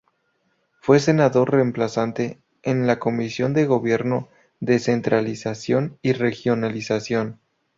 Fue senador reemplazante en la Comisión de Gobierno, Descentralización y Regionalización.